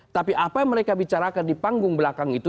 tapi apa yang mereka bicarakan di panggung belakang itu